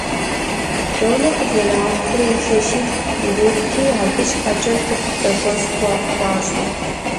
Лонэ къызэралъхурэ илъэситху ирикъути, абы щхьэкӀэ цӀыкӀу зэхуэс хуащӀт.